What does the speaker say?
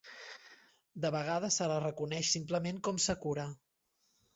De vegades se la reconeix simplement com Sakura.